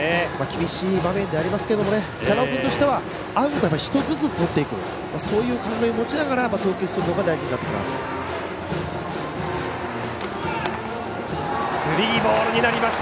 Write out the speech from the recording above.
厳しい場面ではありますけど寺尾君としてはアウトを１つずつとっていくそういう考えを持ちながら投球するのが大事になります。